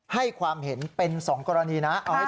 ให้ความเห็นเป็น๒กรณีนะ